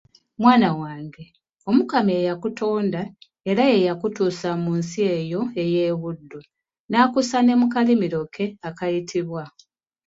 Mwana wange Omukama eyakutonda era ye yakutuusa mu nsi eyo ey'e Buddu n'akussa ne mu kalimiro ke akayitibwa